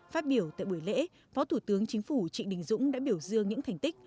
phát biểu tại buổi lễ phó thủ tướng chính phủ trịnh đình dũng đã biểu dương những thành tích